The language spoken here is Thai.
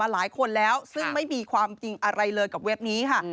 หลายคนแล้วซึ่งไม่มีความจริงอะไรเลยกับเว็บนี้ค่ะ